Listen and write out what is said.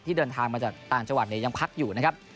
เดินทางมาจากต่างจังหวัดเนี่ยยังพักอยู่นะครับ